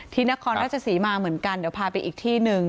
นครราชศรีมาเหมือนกันเดี๋ยวพาไปอีกที่หนึ่ง